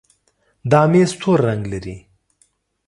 دا ميز تور رنګ لري.